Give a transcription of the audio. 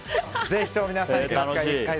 ぜひとも皆さん